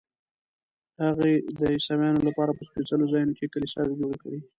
هغې د عیسویانو لپاره په سپېڅلو ځایونو کې کلیساوې جوړې کړې.